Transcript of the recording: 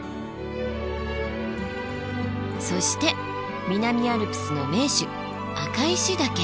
そして南アルプスの盟主赤石岳。